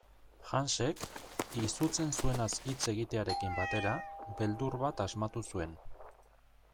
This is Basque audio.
Hansek, izutzen zuenaz hitz egitearekin batera, beldur bat asmatu zuen.